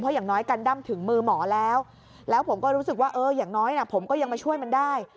อย่างน้อยกันด้ำถึงมือหมอแล้วแล้วผมก็รู้สึกว่าเอออย่างน้อยนะผมก็ยังมาช่วยมันได้